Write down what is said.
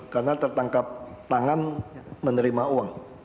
karena tertangkap tangan menerima uang